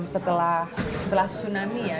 setelah tsunami ya